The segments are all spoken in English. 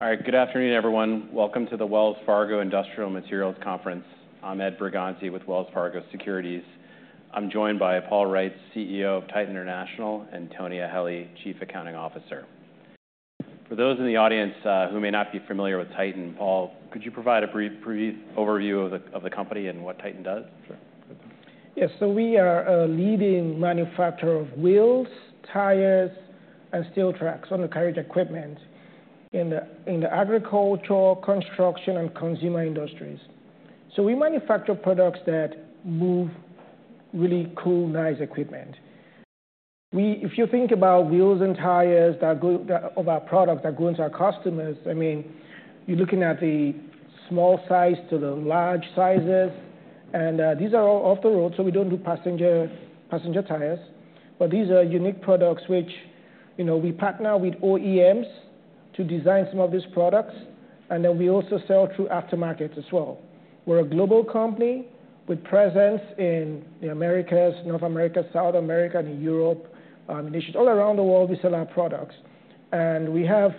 All right, good afternoon, everyone. Welcome to the Wells Fargo Industrial Materials Conference. I'm Ed Bergonzi with Wells Fargo Securities. I'm joined by Paul Reitz, CEO of Titan International, and Tonya Helley, Chief Accounting Officer. For those in the audience who may not be familiar with Titan, Paul, could you provide a brief overview of the company and what Titan does? Yeah, so we are a leading manufacturer of wheels, tires, and steel tracks on the carriage equipment in the agricultural, construction, and consumer industries. We manufacture products that move really cool, nice equipment. If you think about wheels and tires of our products that go into our customers, I mean, you're looking at the small size to the large sizes. These are all off the road, so we don't do passenger tires. These are unique products which we partner with OEMs to design some of these products. Then we also sell through aftermarket as well. We're a global company with presence in the Americas, North America, South America, and Europe. All around the world, we sell our products. We have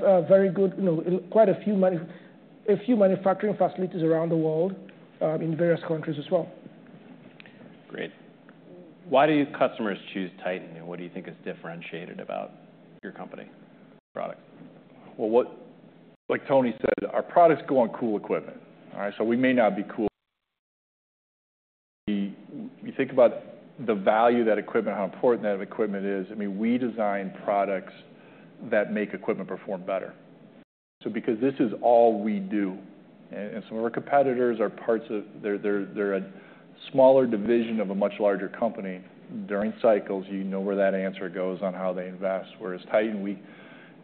quite a few manufacturing facilities around the world in various countries as well. Great. Why do customers choose Titan? What do you think is differentiated about your company's products? Like Tony said, our products go on cool equipment. You think about the value of that equipment, how important that equipment is. I mean, we design products that make equipment perform better. Because this is all we do, and some of our competitors are parts of, they're a smaller division of a much larger company. During cycles, you know where that answer goes on how they invest. Whereas Titan,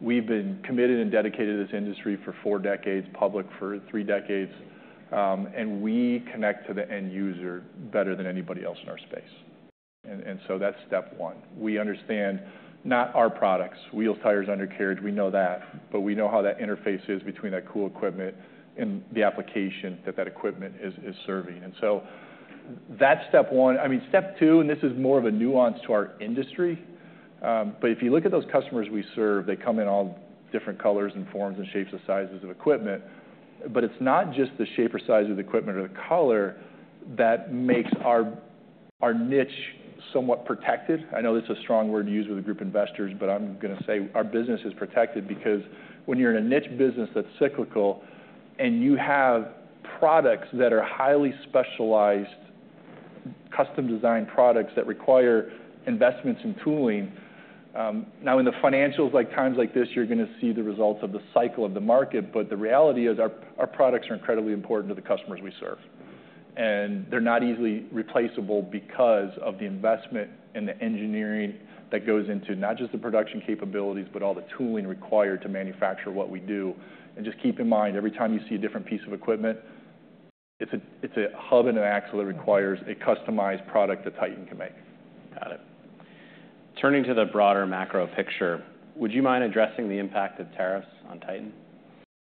we've been committed and dedicated to this industry for four decades, public for three decades. We connect to the end user better than anybody else in our space. That's step one. We understand not our products, wheels, tires, undercarriage, we know that. We know how that interface is between that cool equipment and the application that that equipment is serving. That's step one. I mean, step two, and this is more of a nuance to our industry. If you look at those customers we serve, they come in all different colors and forms and shapes and sizes of equipment. It is not just the shape or size of the equipment or the color that makes our niche somewhat protected. I know that is a strong word used with a group of investors, but I am going to say our business is protected because when you are in a niche business that is cyclical and you have products that are highly specialized, custom-designed products that require investments in tooling. Now, in the financials, like times like this, you are going to see the results of the cycle of the market. The reality is our products are incredibly important to the customers we serve. They're not easily replaceable because of the investment and the engineering that goes into not just the production capabilities, but all the tooling required to manufacture what we do. Just keep in mind, every time you see a different piece of equipment, it's a hub and an axle that requires a customized product that Titan can make. Got it. Turning to the broader macro picture, would you mind addressing the impact of tariffs on Titan?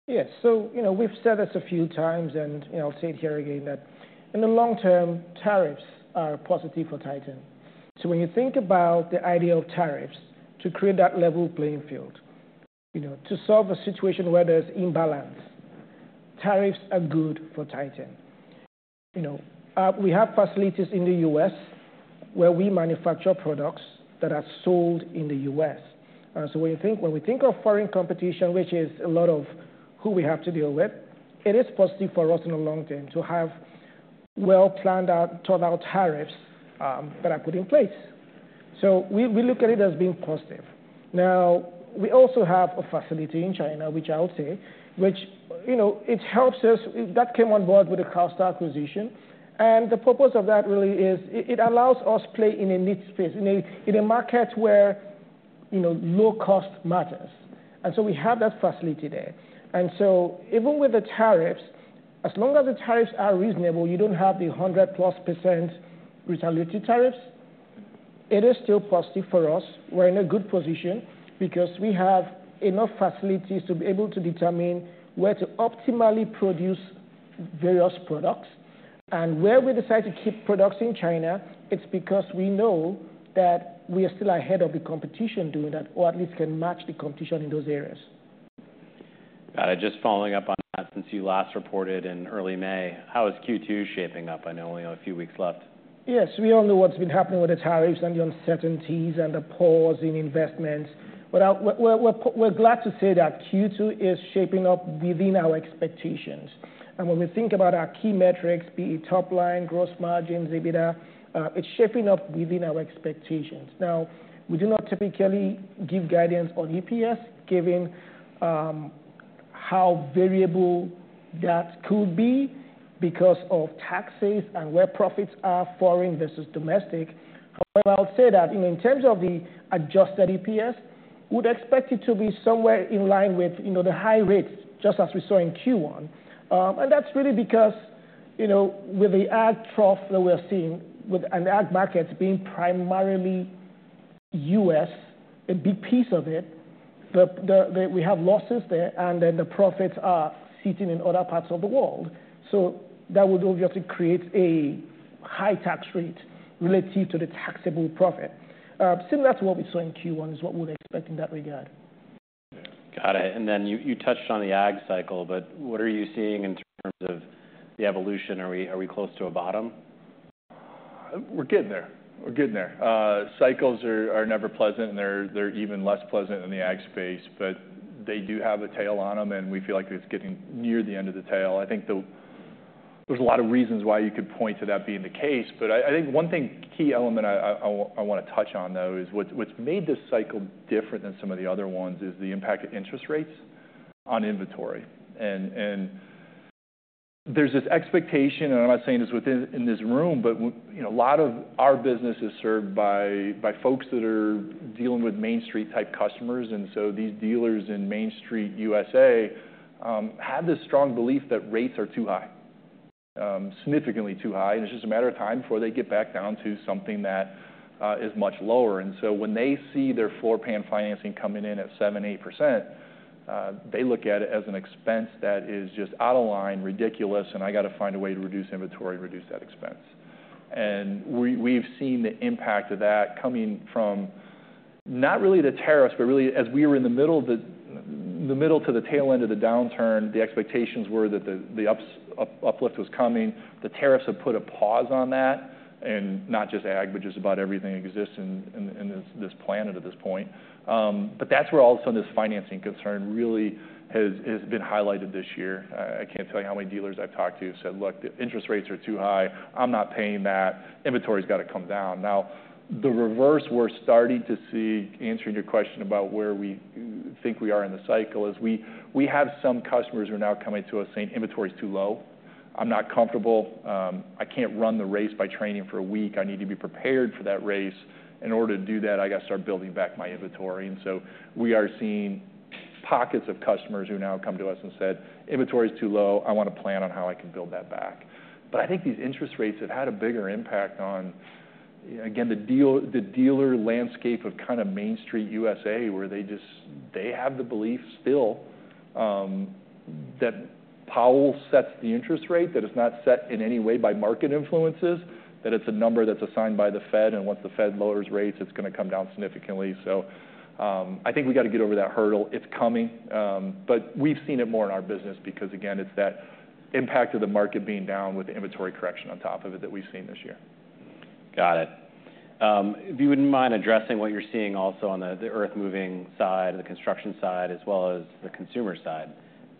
Yes. We have said this a few times, and I will say it here again, that in the long term, tariffs are positive for Titan. When you think about the idea of tariffs to create that level playing field, to solve a situation where there is imbalance, tariffs are good for Titan. We have facilities in the U.S. where we manufacture products that are sold in the U.S. When we think of foreign competition, which is a lot of who we have to deal with, it is positive for us in the long term to have well-planned out tariffs that are put in place. We look at it as being positive. We also have a facility in China, which I will say, which helps us. That came on board with the Carstar acquisition. The purpose of that really is it allows us to play in a niche space, in a market where low cost matters. We have that facility there. Even with the tariffs, as long as the tariffs are reasonable, you do not have the 100%+ retaliatory tariffs, it is still positive for us. We are in a good position because we have enough facilities to be able to determine where to optimally produce various products. Where we decide to keep products in China, it is because we know that we are still ahead of the competition doing that, or at least can match the competition in those areas. Got it. Just following up on that, since you last reported in early May, how is Q2 shaping up? I know we only have a few weeks left. Yes, we all know what's been happening with the tariffs and the uncertainties and the pause in investments. We're glad to say that Q2 is shaping up within our expectations. When we think about our key metrics, be it top line, gross margins, EBITDA, it's shaping up within our expectations. Now, we do not typically give guidance on EPS, given how variable that could be because of taxes and where profits are foreign versus domestic. However, I'll say that in terms of the adjusted EPS, we would expect it to be somewhere in line with the high rates, just as we saw in Q1. That's really because with the ad trough that we're seeing and the ad markets being primarily US, a big piece of it, we have losses there, and then the profits are sitting in other parts of the world. That would obviously create a high tax rate relative to the taxable profit. Similar to what we saw in Q1 is what we're expecting in that regard. Got it. You touched on the ag cycle, but what are you seeing in terms of the evolution? Are we close to a bottom? We're getting there. We're getting there. Cycles are never pleasant, and they're even less pleasant in the ag space. They do have a tail on them, and we feel like it's getting near the end of the tail. I think there's a lot of reasons why you could point to that being the case. I think one key element I want to touch on, though, is what's made this cycle different than some of the other ones is the impact of interest rates on inventory. There's this expectation, and I'm not saying it's within this room, but a lot of our business is served by folks that are dealing with Main Street type customers. These dealers in Main Street, U.S.A., have this strong belief that rates are too high, significantly too high. It is just a matter of time before they get back down to something that is much lower. When they see their floor plan financing coming in at 7%, 8%, they look at it as an expense that is just out of line, ridiculous, and I got to find a way to reduce inventory and reduce that expense. We have seen the impact of that coming from not really the tariffs, but really as we were in the middle to the tail end of the downturn, the expectations were that the uplift was coming. The tariffs have put a pause on that, and not just ag, but just about everything that exists in this planet at this point. That is where all of a sudden this financing concern really has been highlighted this year. I can't tell you how many dealers I've talked to said, "Look, the interest rates are too high. I'm not paying that. Inventory's got to come down." Now, the reverse we're starting to see, answering your question about where we think we are in the cycle, is we have some customers who are now coming to us saying, "Inventory's too low. I'm not comfortable. I can't run the race by training for a week. I need to be prepared for that race. In order to do that, I got to start building back my inventory." We are seeing pockets of customers who now come to us and said, "Inventory's too low. I want to plan on how I can build that back. I think these interest rates have had a bigger impact on, again, the dealer landscape of kind of Main Street, U.S.A., where they have the belief still that Powell sets the interest rate, that it's not set in any way by market influences, that it's a number that's assigned by the Fed. Once the Fed lowers rates, it's going to come down significantly. I think we got to get over that hurdle. It's coming. We have seen it more in our business because, again, it's that impact of the market being down with the inventory correction on top of it that we have seen this year. Got it. If you wouldn't mind addressing what you're seeing also on the earth-moving side, the construction side, as well as the consumer side.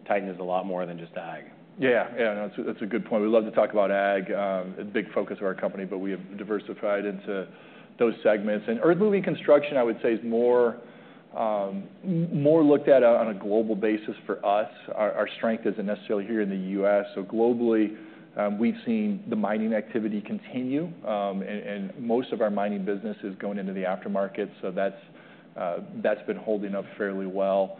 Titan is a lot more than just ag. Yeah. Yeah, no, that's a good point. We love to talk about ag. It's a big focus of our company, but we have diversified into those segments. And earth-moving construction, I would say, is more looked at on a global basis for us. Our strength isn't necessarily here in the U.S. So globally, we've seen the mining activity continue, and most of our mining business is going into the aftermarket. So that's been holding up fairly well.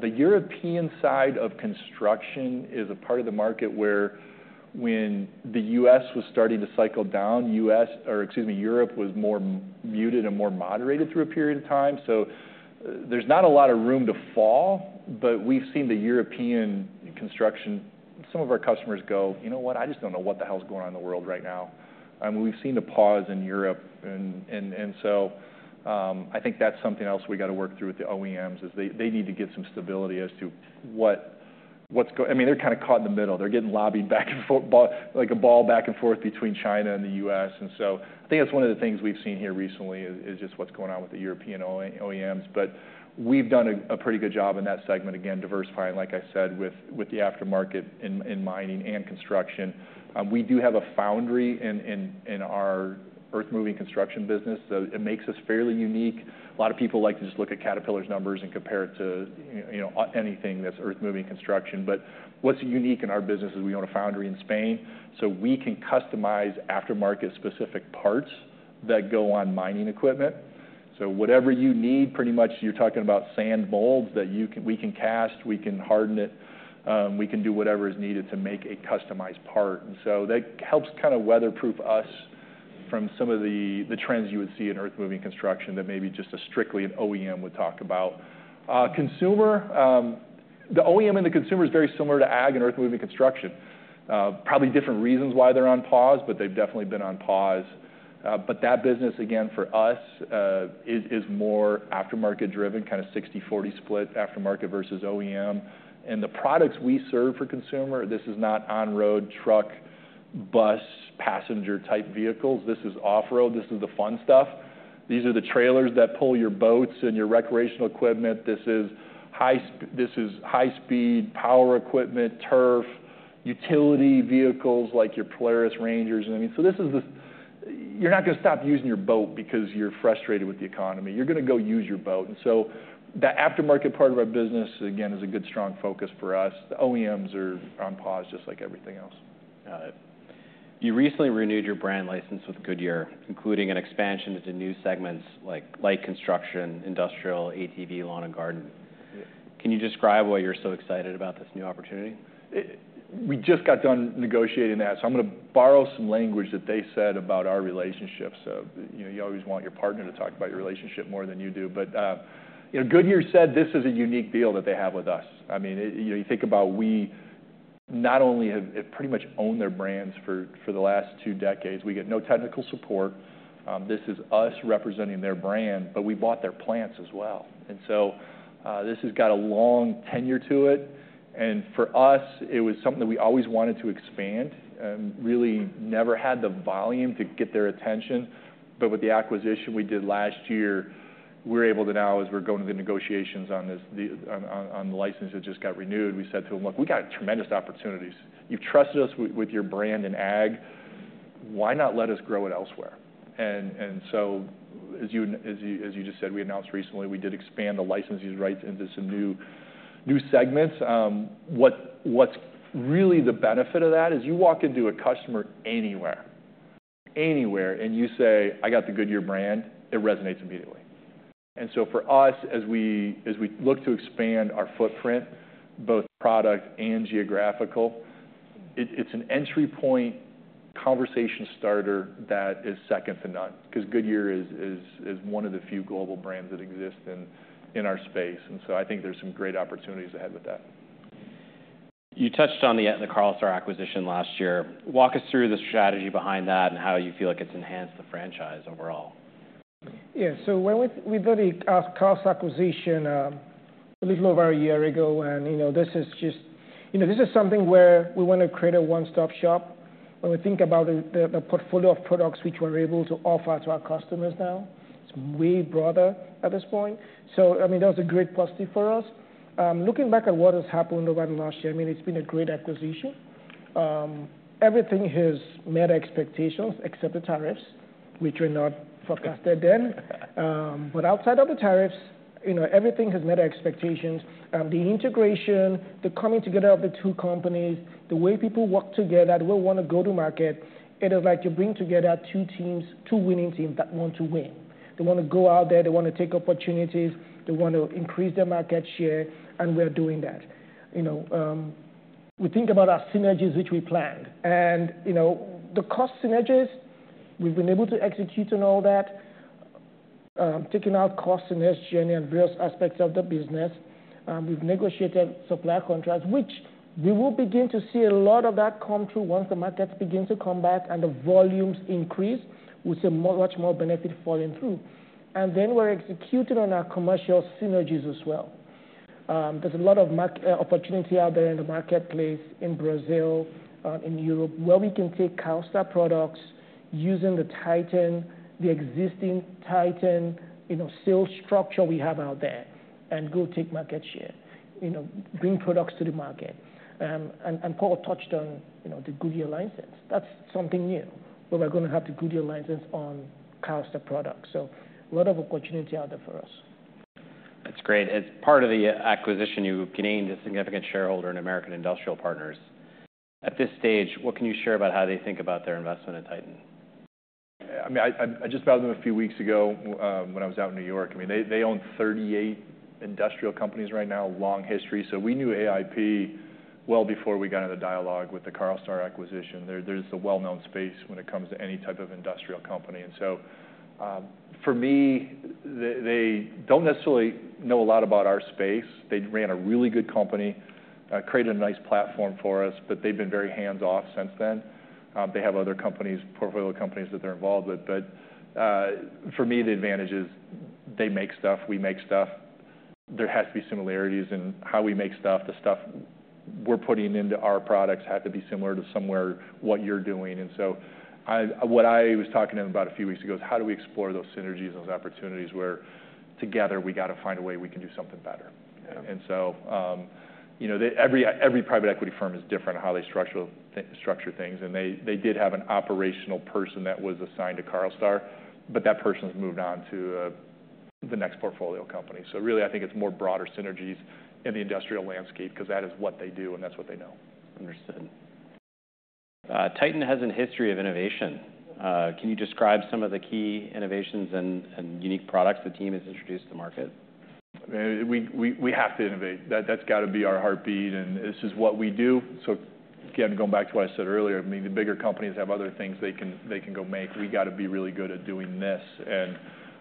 The European side of construction is a part of the market where when the U.S. was starting to cycle down, U.S., or excuse me, Europe was more muted and more moderated through a period of time. So there's not a lot of room to fall, but we've seen the European construction, some of our customers go, "You know what? I just don't know what the hell's going on in the world right now. We've seen a pause in Europe. I think that's something else we got to work through with the OEMs is they need to get some stability as to what's going. I mean, they're kind of caught in the middle. They're getting lobbied back and forth, like a ball back and forth between China and the U.S. I think that's one of the things we've seen here recently is just what's going on with the European OEMs. We've done a pretty good job in that segment, again, diversifying, like I said, with the aftermarket in mining and construction. We do have a foundry in our earth-moving construction business. It makes us fairly unique. A lot of people like to just look at Caterpillar's numbers and compare it to anything that's earth-moving construction. What is unique in our business is we own a foundry in Spain. We can customize aftermarket specific parts that go on mining equipment. Whatever you need, pretty much you're talking about sand molds that we can cast, we can harden it, we can do whatever is needed to make a customized part. That helps kind of weatherproof us from some of the trends you would see in earth-moving construction that maybe just strictly an OEM would talk about. Consumer, the OEM and the consumer is very similar to ag and earth-moving construction. Probably different reasons why they're on pause, but they've definitely been on pause. That business, again, for us is more aftermarket driven, kind of 60/40 split, aftermarket versus OEM. The products we serve for consumer, this is not on-road, truck, bus, passenger type vehicles. This is off-road. This is the fun stuff. These are the trailers that pull your boats and your recreational equipment. This is high-speed power equipment, turf, utility vehicles like your Polaris Rangers. I mean, you are not going to stop using your boat because you are frustrated with the economy. You are going to go use your boat. That aftermarket part of our business, again, is a good strong focus for us. The OEMs are on pause just like everything else. Got it. You recently renewed your brand license with Goodyear, including an expansion into new segments like light construction, industrial, ATV, lawn and garden. Can you describe why you're so excited about this new opportunity? We just got done negotiating that. So I'm going to borrow some language that they said about our relationship. You always want your partner to talk about your relationship more than you do. Goodyear said this is a unique deal that they have with us. I mean, you think about we not only have pretty much owned their brands for the last two decades. We get no technical support. This is us representing their brand, but we bought their plants as well. This has got a long tenure to it. For us, it was something that we always wanted to expand and really never had the volume to get their attention. With the acquisition we did last year, we're able to now, as we're going to the negotiations on the license that just got renewed, we said to them, "Look, we got tremendous opportunities. You've trusted us with your brand in ag. Why not let us grow it elsewhere? As you just said, we announced recently we did expand the licensing rights into some new segments. What's really the benefit of that is you walk into a customer anywhere, anywhere, and you say, "I got the Goodyear brand," it resonates immediately. For us, as we look to expand our footprint, both product and geographical, it's an entry point conversation starter that is second to none because Goodyear is one of the few global brands that exist in our space. I think there's some great opportunities ahead with that. You touched on the Carstar acquisition last year. Walk us through the strategy behind that and how you feel like it's enhanced the franchise overall. Yeah. We did a Carstar acquisition a little over a year ago. This is just something where we want to create a one-stop shop. When we think about the portfolio of products which we are able to offer to our customers now, it is way broader at this point. I mean, that was a great positive for us. Looking back at what has happened over the last year, I mean, it has been a great acquisition. Everything has met expectations except the tariffs, which were not forecasted then. Outside of the tariffs, everything has met expectations. The integration, the coming together of the two companies, the way people work together, the way we want to go to market, it is like you bring together two teams, two winning teams that want to win. They want to go out there. They want to take opportunities. They want to increase their market share. We are doing that. We think about our synergies which we planned. The cost synergies, we have been able to execute on all that, taking out cost synergies in various aspects of the business. We have negotiated supplier contracts, which we will begin to see a lot of that come through once the markets begin to come back and the volumes increase. We will see much more benefit falling through. We are executing on our commercial synergies as well. There is a lot of opportunity out there in the marketplace in Brazil, in Europe, where we can take Carstar products using the existing Titan sales structure we have out there and go take market share, bring products to the market. Paul touched on the Goodyear license. That is something new where we are going to have the Goodyear license on Carstar products. A lot of opportunity out there for us. That's great. As part of the acquisition, you've gained a significant shareholder in American Industrial Partners. At this stage, what can you share about how they think about their investment in Titan? I mean, I just met with them a few weeks ago when I was out in New York. I mean, they own 38 industrial companies right now, long history. So we knew AIP well before we got into the dialogue with the Carstar acquisition. There's a well-known space when it comes to any type of industrial company. And for me, they don't necessarily know a lot about our space. They ran a really good company, created a nice platform for us, but they've been very hands-off since then. They have other companies, portfolio companies that they're involved with. For me, the advantage is they make stuff, we make stuff. There has to be similarities in how we make stuff. The stuff we're putting into our products has to be similar to somewhere what you're doing. What I was talking to them about a few weeks ago is how do we explore those synergies and those opportunities where together we got to find a way we can do something better. Every private equity firm is different in how they structure things. They did have an operational person that was assigned to Carstar, but that person has moved on to the next portfolio company. I think it is more broader synergies in the industrial landscape because that is what they do and that is what they know. Understood. Titan has a history of innovation. Can you describe some of the key innovations and unique products the team has introduced to market? We have to innovate. That's got to be our heartbeat. This is what we do. Again, going back to what I said earlier, I mean, the bigger companies have other things they can go make. We got to be really good at doing this.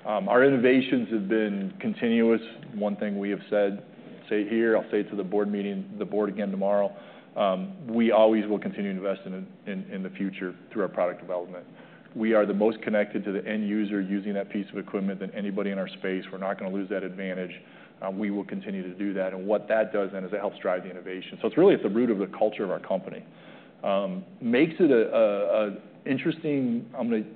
Our innovations have been continuous. One thing we have said, say here, I'll say it to the board meeting, the board again tomorrow. We always will continue to invest in the future through our product development. We are the most connected to the end user using that piece of equipment than anybody in our space. We're not going to lose that advantage. We will continue to do that. What that does then is it helps drive the innovation. It is really at the root of the culture of our company. Makes it an interesting,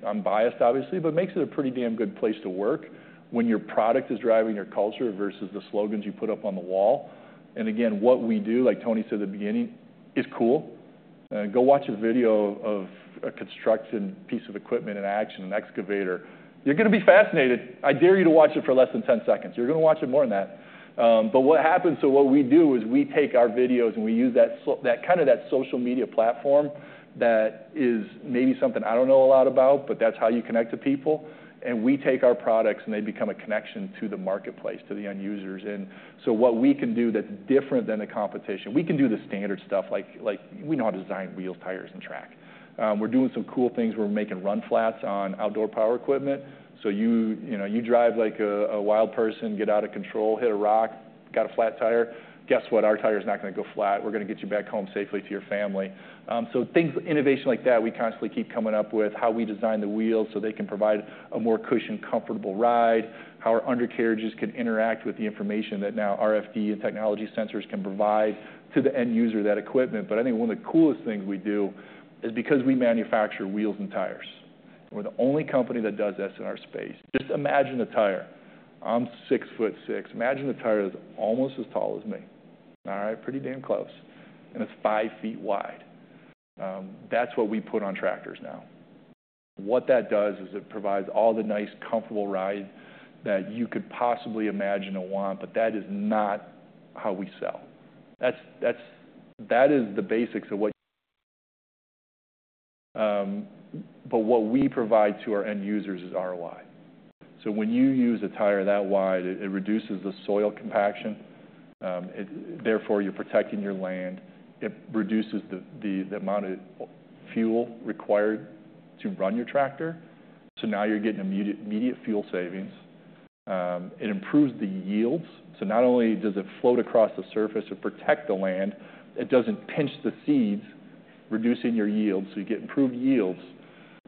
I'm biased obviously, but makes it a pretty damn good place to work when your product is driving your culture versus the slogans you put up on the wall. Again, what we do, like Tony said at the beginning, is cool. Go watch a video of a construction piece of equipment in action, an excavator. You're going to be fascinated. I dare you to watch it for less than 10 seconds. You're going to watch it more than that. What happens is we take our videos and we use that kind of that social media platform that is maybe something I don't know a lot about, but that's how you connect to people. We take our products and they become a connection to the marketplace, to the end users. What we can do that is different than the competition, we can do the standard stuff like we know how to design wheels, tires, and track. We are doing some cool things. We are making run flats on outdoor power equipment. You drive like a wild person, get out of control, hit a rock, got a flat tire. Guess what? Our tire is not going to go flat. We are going to get you back home safely to your family. Things, innovation like that, we constantly keep coming up with how we design the wheels so they can provide a more cushioned, comfortable ride, how our undercarriages can interact with the information that now RFID and technology sensors can provide to the end user of that equipment. I think one of the coolest things we do is because we manufacture wheels and tires. We're the only company that does this in our space. Just imagine a tire. I'm 6 foot 6. Imagine a tire that's almost as tall as me. All right, pretty damn close. And it's 5 feet wide. That's what we put on tractors now. What that does is it provides all the nice, comfortable ride that you could possibly imagine or want, but that is not how we sell. That is the basics of what you need. But what we provide to our end users is ROI. So when you use a tire that wide, it reduces the soil compaction. Therefore, you're protecting your land. It reduces the amount of fuel required to run your tractor. So now you're getting immediate fuel savings. It improves the yields. So not only does it float across the surface to protect the land, it doesn't pinch the seeds, reducing your yields. You get improved yields.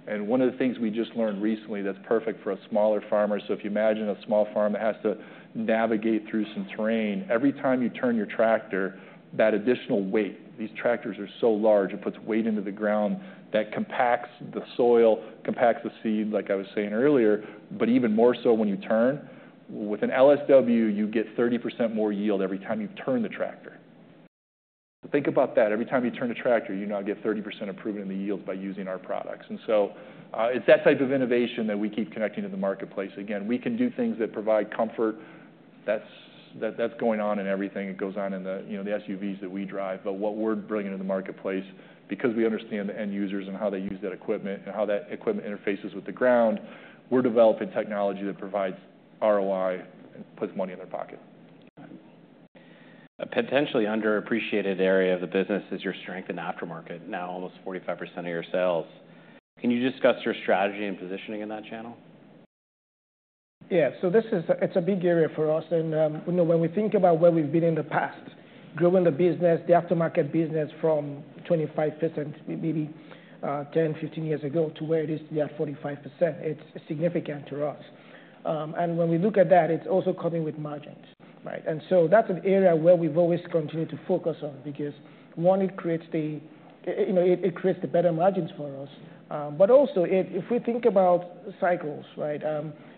One of the things we just learned recently is that it is perfect for a smaller farmer. If you imagine a small farm that has to navigate through some terrain, every time you turn your tractor, that additional weight, these tractors are so large, it puts weight into the ground that compacts the soil, compacts the seed, like I was saying earlier, but even more so when you turn. With an LSW, you get 30% more yield every time you turn the tractor. Think about that. Every time you turn a tractor, you now get 30% improvement in the yields by using our products. It is that type of innovation that we keep connecting to the marketplace. Again, we can do things that provide comfort. That is going on in everything. It goes on in the SUVs that we drive. What we're bringing to the marketplace, because we understand the end users and how they use that equipment and how that equipment interfaces with the ground, we're developing technology that provides ROI and puts money in their pocket. A potentially underappreciated area of the business is your strength in aftermarket, now almost 45% of your sales. Can you discuss your strategy and positioning in that channel? Yeah. So it's a big area for us. And when we think about where we've been in the past, growing the business, the aftermarket business from 25% maybe 10, 15 years ago to where it is today at 45%, it's significant to us. And when we look at that, it's also coming with margins. And so that's an area where we've always continued to focus on because, one, it creates the better margins for us. But also, if we think about cycles, right,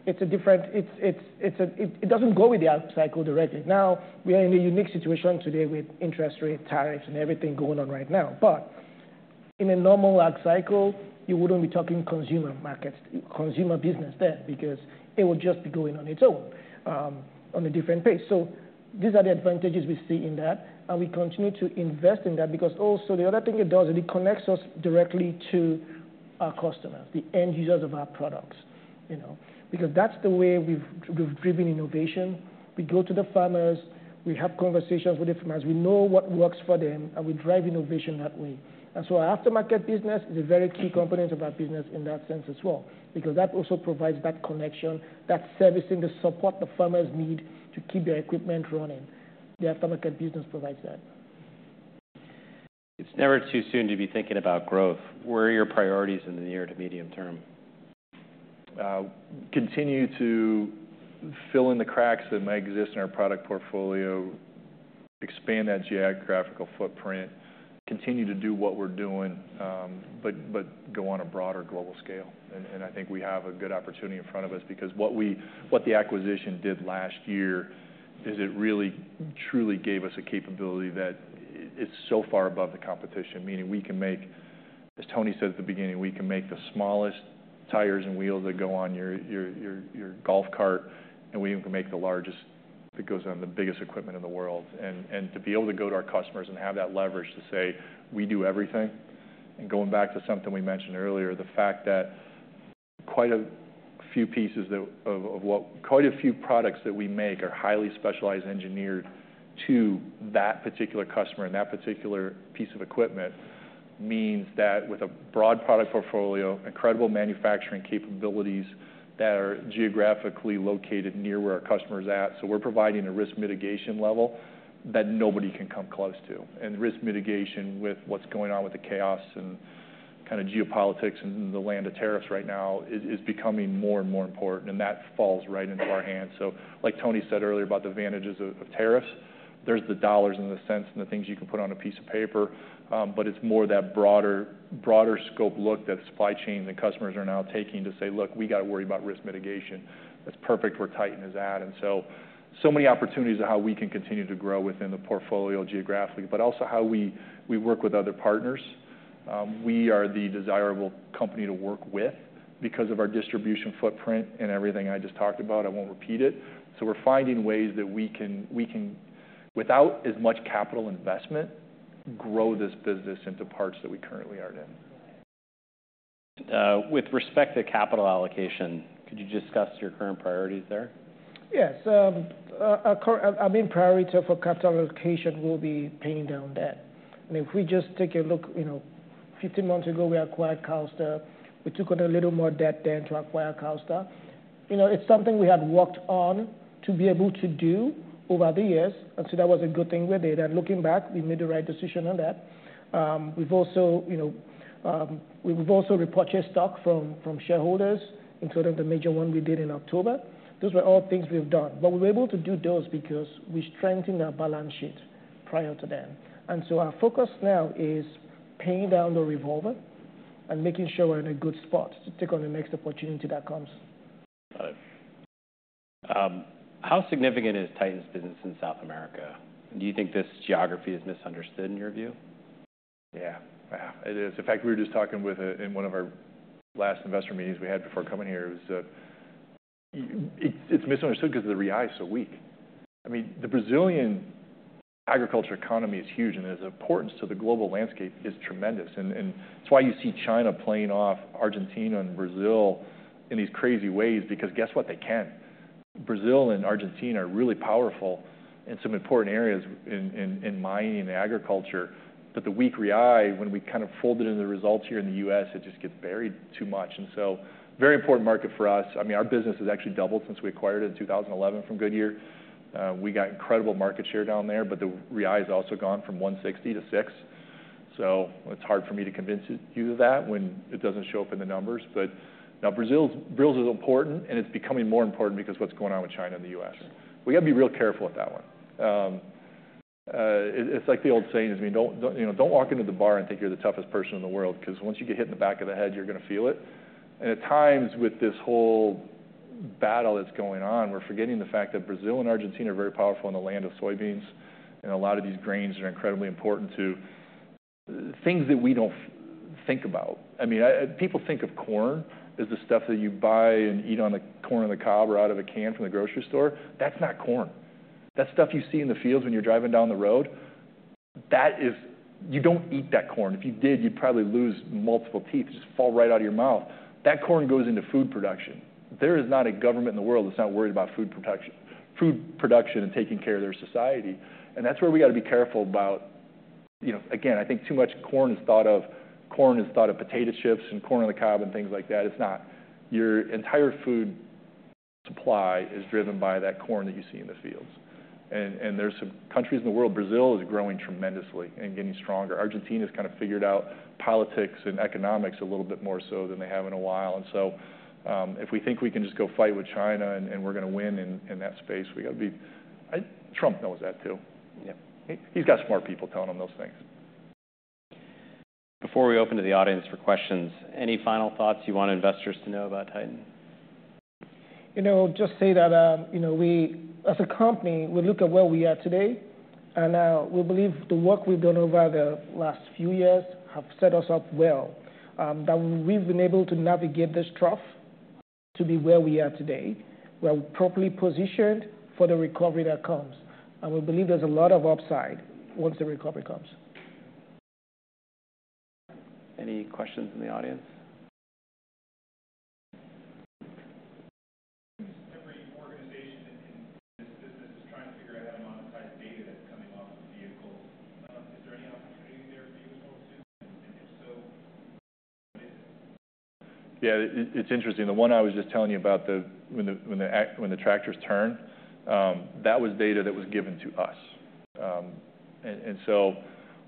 it's a different, it doesn't go with the upcycle directly. Now, we are in a unique situation today with interest rates, tariffs, and everything going on right now. But in a normal upcycle, you wouldn't be talking consumer markets, consumer business then because it would just be going on its own on a different pace. These are the advantages we see in that. We continue to invest in that because also the other thing it does is it connects us directly to our customers, the end users of our products. That is the way we have driven innovation. We go to the farmers. We have conversations with the farmers. We know what works for them, and we drive innovation that way. Our aftermarket business is a very key component of our business in that sense as well because that also provides that connection, that servicing, the support the farmers need to keep their equipment running. The aftermarket business provides that. It's never too soon to be thinking about growth. Where are your priorities in the near to medium term? Continue to fill in the cracks that may exist in our product portfolio, expand that geographical footprint, continue to do what we're doing, but go on a broader global scale. I think we have a good opportunity in front of us because what the acquisition did last year is it really truly gave us a capability that is so far above the competition, meaning we can make, as Tonya said at the beginning, we can make the smallest tires and wheels that go on your golf cart, and we even can make the largest that goes on the biggest equipment in the world. To be able to go to our customers and have that leverage to say, "We do everything." Going back to something we mentioned earlier, the fact that quite a few products that we make are highly specialized, engineered to that particular customer and that particular piece of equipment, means that with a broad product portfolio, incredible manufacturing capabilities that are geographically located near where our customer is at, we're providing a risk mitigation level that nobody can come close to. Risk mitigation with what's going on with the chaos and kind of geopolitics and the land of tariffs right now is becoming more and more important. That falls right into our hands. Like Tony said earlier about the advantages of tariffs, there's the dollars and the cents and the things you can put on a piece of paper, but it's more that broader scope look that supply chains and customers are now taking to say, "Look, we got to worry about risk mitigation." That's perfect where Titan is at. And so many opportunities of how we can continue to grow within the portfolio geographically, but also how we work with other partners. We are the desirable company to work with because of our distribution footprint and everything I just talked about. I won't repeat it. We're finding ways that we can, without as much capital investment, grow this business into parts that we currently aren't in. With respect to capital allocation, could you discuss your current priorities there? Yes. I mean, priority for capital allocation will be paying down debt. If we just take a look, 15 months ago, we acquired Carstar. We took on a little more debt then to acquire Carstar. It is something we had worked on to be able to do over the years. That was a good thing we did. Looking back, we made the right decision on that. We have also repurchased stock from shareholders, including the major one we did in October. Those were all things we have done. We were able to do those because we strengthened our balance sheet prior to then. Our focus now is paying down the revolver and making sure we are in a good spot to take on the next opportunity that comes. Got it. How significant is Titan's business in South America? Do you think this geography is misunderstood in your view? Yeah, it is. In fact, we were just talking with it in one of our last investor meetings we had before coming here. It's misunderstood because the Brazilian Real is so weak. I mean, the Brazilian agriculture economy is huge, and its importance to the global landscape is tremendous. It's why you see China playing off Argentina and Brazil in these crazy ways because guess what? They can. Brazil and Argentina are really powerful in some important areas in mining and agriculture. The weak Brazilian Real, when we kind of fold it into the results here in the U.S., it just gets buried too much. Very important market for us. I mean, our business has actually doubled since we acquired it in 2011 from Goodyear. We got incredible market share down there, but the Brazilian Real has also gone from 1.60 to 6. It's hard for me to convince you of that when it doesn't show up in the numbers. Now Brazil's important, and it's becoming more important because of what's going on with China and the U.S. We got to be real careful with that one. It's like the old saying, don't walk into the bar and think you're the toughest person in the world because once you get hit in the back of the head, you're going to feel it. At times with this whole battle that's going on, we're forgetting the fact that Brazil and Argentina are very powerful in the land of soybeans. A lot of these grains are incredibly important to things that we don't think about. I mean, people think of corn as the stuff that you buy and eat on the corn and the cob or out of a can from the grocery store. That's not corn. That stuff you see in the fields when you're driving down the road. You don't eat that corn. If you did, you'd probably lose multiple teeth. It'd just fall right out of your mouth. That corn goes into food production. There is not a government in the world that's not worried about food production and taking care of their society. That's where we got to be careful about, again, I think too much corn is thought of as potato chips and corn on the cob and things like that. It's not. Your entire food supply is driven by that corn that you see in the fields. There are some countries in the world. Brazil is growing tremendously and getting stronger. Argentina has kind of figured out politics and economics a little bit more so than they have in a while. If we think we can just go fight with China and we're going to win in that space, we got to be. Trump knows that too. He's got smart people telling him those things. Before we open to the audience for questions, any final thoughts you want investors to know about Titan? Just say that as a company, we look at where we are today. We believe the work we've done over the last few years has set us up well. We've been able to navigate this trough to be where we are today, where we're properly positioned for the recovery that comes. We believe there's a lot of upside once the recovery comes. Any questions in the audience? business is trying to figure out how to monetize data that's coming off of vehicles. Is there Yeah, it's interesting. The one I was just telling you about when the tractors turn, that was data that was given to us.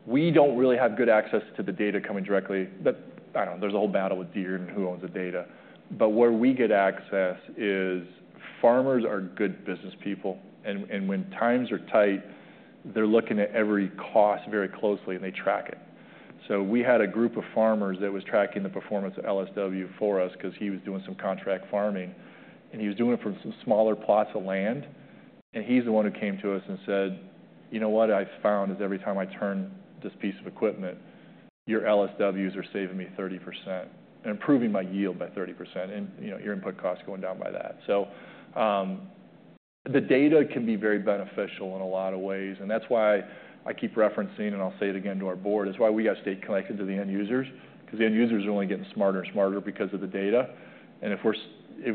We don't really have good access to the data coming directly. I don't know. There's a whole battle with Deere and who owns the data. Where we get access is farmers are good business people. When times are tight, they're looking at every cost very closely, and they track it. We had a group of farmers that was tracking the performance of LSW for us because he was doing some contract farming. He was doing it from some smaller plots of land. He is the one who came to us and said, "You know what I found is every time I turn this piece of equipment, your LSWs are saving me 30% and improving my yield by 30% and your input cost going down by that." The data can be very beneficial in a lot of ways. That is why I keep referencing, and I will say it again to our board, is why we have to stay connected to the end users because the end users are only getting smarter and smarter because of the data. If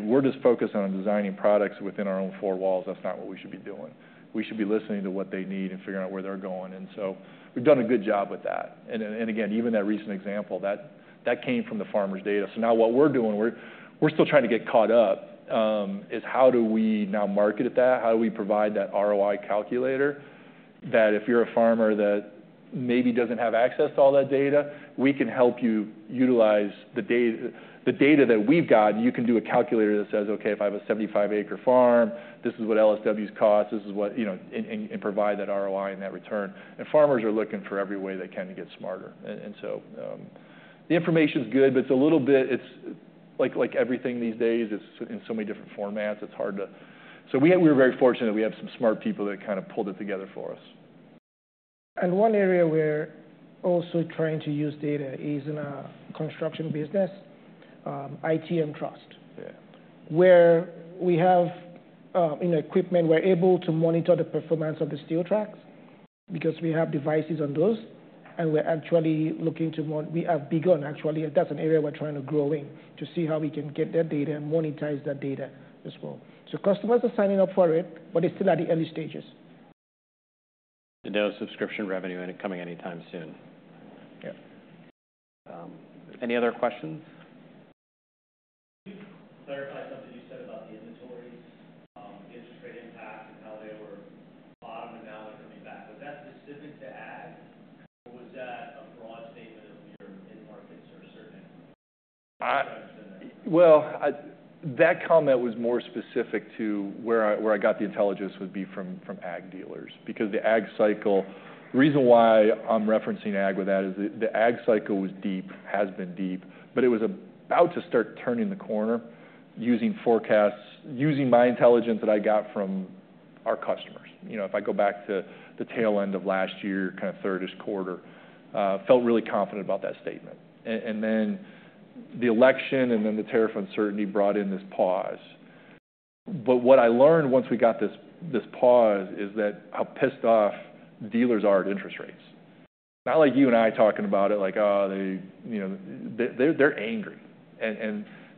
we are just focused on designing products within our own four walls, that is not what we should be doing. We should be listening to what they need and figuring out where they are going. We have done a good job with that. Even that recent example, that came from the farmer's data. Now what we're doing, we're still trying to get caught up, is how do we now market that? How do we provide that ROI calculator that if you're a farmer that maybe doesn't have access to all that data, we can help you utilize the data that we've got, and you can do a calculator that says, "Okay, if I have a 75-acre farm, this is what LSWs cost. This is what," and provide that ROI and that return. Farmers are looking for every way they can to get smarter. The information's good, but it's a little bit like everything these days. It's in so many different formats. It's hard to. We were very fortunate that we have some smart people that kind of pulled it together for us. One area we're also trying to use data is in our construction business, IT and trust, where we have equipment. We're able to monitor the performance of the steel tracks because we have devices on those. We're actually looking to, we have begun, actually. That's an area we're trying to grow in to see how we can get that data and monetize that data as well. Customers are signing up for it, but it's still at the early stages. No subscription revenue coming anytime soon. Yeah. Any other questions? Could you clarify something you said about the inventories, interest rate impact, and how they were bottom and now they're coming back? Was that specific to ag, or was that a broad statement of your end markets or a certain end market? That comment was more specific to where I got the intelligence would be from ag dealers because the ag cycle, the reason why I'm referencing ag with that is the ag cycle was deep, has been deep, but it was about to start turning the corner using forecasts, using my intelligence that I got from our customers. If I go back to the tail end of last year, kind of thirdish quarter, I felt really confident about that statement. The election and then the tariff uncertainty brought in this pause. What I learned once we got this pause is how pissed off dealers are at interest rates. Not like you and I talking about it like, "Oh, they're angry."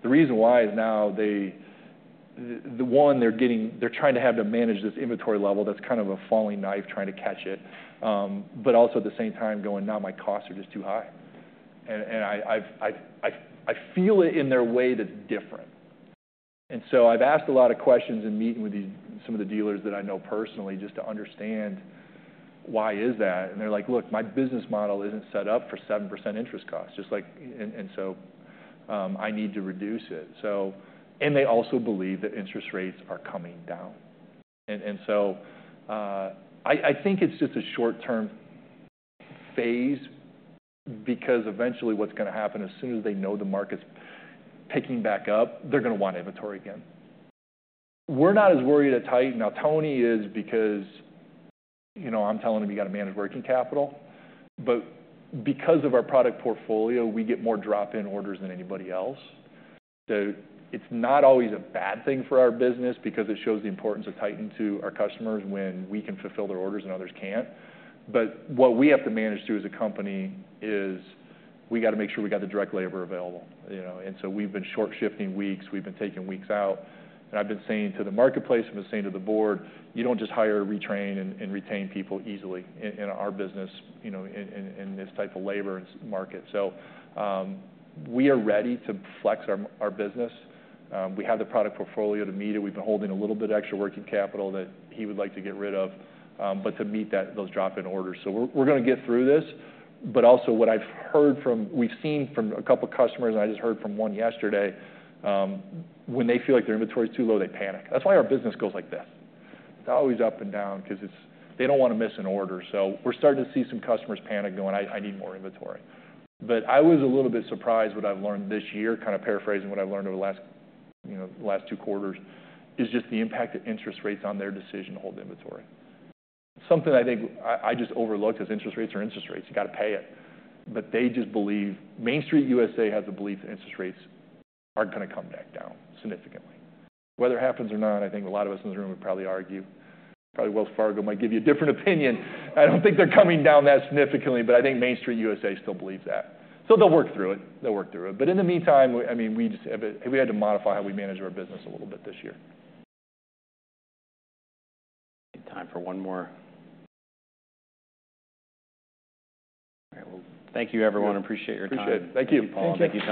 The reason why is now they, one, they're trying to have to manage this inventory level. That's kind of a falling knife trying to catch it, but also at the same time going, "Now, my costs are just too high." I feel it in their way that's different. I have asked a lot of questions in meeting with some of the dealers that I know personally just to understand why is that. They're like, "Look, my business model isn't set up for 7% interest costs." I need to reduce it. They also believe that interest rates are coming down. I think it's just a short-term phase because eventually what's going to happen as soon as they know the market's picking back up, they're going to want inventory again. We're not as worried at Titan. Now, Tonya is because I'm telling her you got to manage working capital. Because of our product portfolio, we get more drop-in orders than anybody else. It is not always a bad thing for our business because it shows the importance of Titan to our customers when we can fulfill their orders and others cannot. What we have to manage too as a company is we have to make sure we have the direct labor available. We have been short-shifting weeks. We have been taking weeks out. I have been saying to the marketplace and been saying to the board, "You do not just hire, retrain, and retain people easily in our business in this type of labor market." We are ready to flex our business. We have the product portfolio to meet it. We have been holding a little bit of extra working capital that he would like to get rid of, but to meet those drop-in orders. We're going to get through this. Also, what I've heard from, we've seen from a couple of customers, and I just heard from one yesterday, when they feel like their inventory is too low, they panic. That's why our business goes like this. It's always up and down because they don't want to miss an order. We're starting to see some customers panic, going, "I need more inventory." I was a little bit surprised. What I've learned this year, kind of paraphrasing what I've learned over the last two quarters, is just the impact of interest rates on their decision to hold inventory. Something I think I just overlooked is interest rates are interest rates. You got to pay it. They just believe Main Street U.S.A. has the belief that interest rates aren't going to come back down significantly. Whether it happens or not, I think a lot of us in this room would probably argue. Probably Wells Fargo might give you a different opinion. I do not think they are coming down that significantly, but I think Main Street USA still believes that. They will work through it. They will work through it. In the meantime, I mean, we just have to, we had to modify how we manage our business a little bit this year. Time for one more. All right. Thank you, everyone. Appreciate your time. Appreciate it. Thank you. Thank you, Paul.